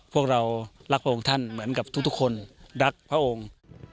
พวกเรารักพระองค์ท่านเหมือนกับทุกคนรักพระองค์